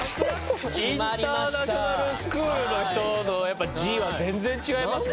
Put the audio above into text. インターナショナルスクールの人のやっぱ「ジ」は全然違いますね。